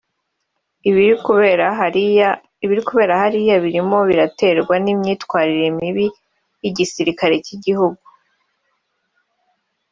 « Ibiri kubera hariya birimo biraterwa n’imyitwarire mibi y’igisirakare cy’igihugu